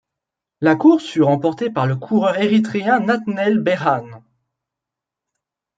La course fut remportée par le coureur érythréen Natnael Berhane.